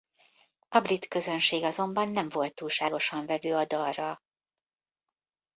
A brit közönség azonban nem volt túlságosan vevő a dalra.